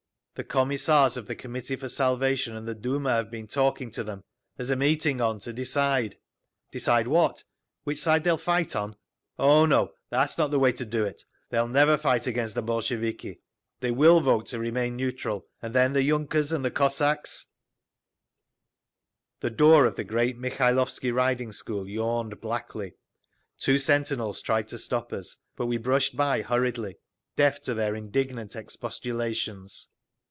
"The Commissars of the Committee for Salvation and the Duma have been talking to them. There's a meeting on to decide…. "Decide what? Which side they'll fight on?" "Oh, no. That's not the way to do it. They'll never fight against the Bolsheviki. They will vote to remain neutral—and then the yunkers and Cossacks—" The door of the great Mikhailovsky Riding School yawned blackly. Two sentinels tried to stop us, but we brushed by hurriedly, deaf to their indignant expostulations.